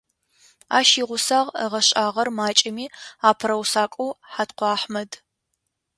Ащ игъусагъ, ыгъэшӏагъэр макӏэми апэрэ усакӏоу Хьаткъо Ахьмэд.